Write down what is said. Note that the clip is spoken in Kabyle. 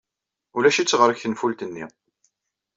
Ulac-itt ɣer-k tenfult-nni.